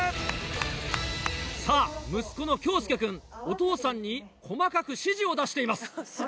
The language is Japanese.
さぁ息子の恭佑くんお父さんに細かく指示を出しています。